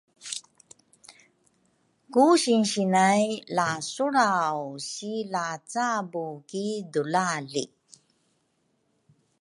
Ku sinsi nay la sulraw si lacabu ki dula li